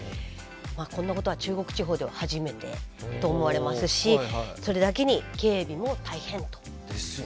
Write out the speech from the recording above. まあこんなことは中国地方では初めてと思われますしそれだけに警備も大変と。